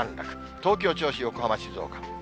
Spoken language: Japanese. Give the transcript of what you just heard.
東京、銚子、横浜、静岡。